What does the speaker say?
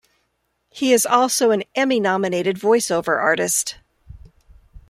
He is also an Emmy nominated voice over artist.